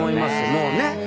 もうね。